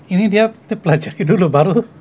ini dia pelajari dulu baru